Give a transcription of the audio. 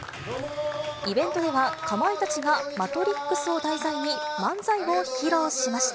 イベントでは、かまいたちがマトリックスを題材に、漫才を披露しました。